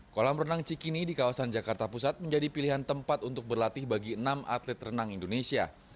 kolam renang cikini di kawasan jakarta pusat menjadi pilihan tempat untuk berlatih bagi enam atlet renang indonesia